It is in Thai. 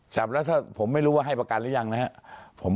จับแล้วถ้าผมไม่รู้ว่าให้ประกันหรือยังนะครับ